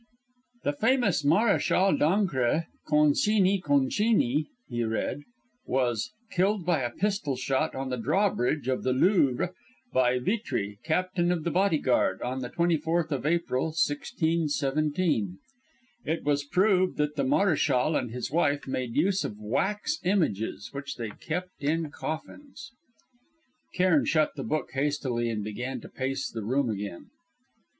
"The famous Maréchal d'Ancre, Concini Concini," he read, "was killed by a pistol shot on the drawbridge of the Louvre by Vitry, Captain of the Bodyguard, on the 24th of April, 1617.... It was proved that the Maréchal and his wife made use of wax images, which they kept in coffins...." Cairn shut the book hastily and began to pace the room again.